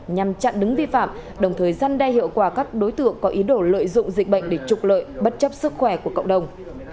nhằm chặn đứng vi phạm đồng thời gian đe hiệu quả các đối tượng có ý đồ lợi dụng dịch bệnh để trục lợi bất chấp sức khỏe của cộng đồng